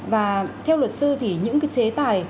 và theo luật sư thì những cái chế tài